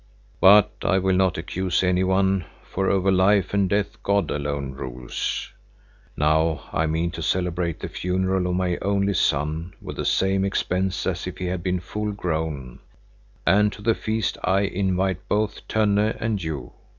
But I will not accuse any one, for over life and death God alone rules. Now I mean to celebrate the funeral of my only son with the same expense as if he had been full grown, and to the feast I invite both Tönne and you.